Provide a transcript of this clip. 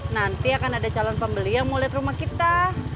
nanti akan ada calon pembeli yang mau lihat rumah kita